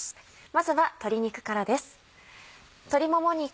まずは鶏肉からです。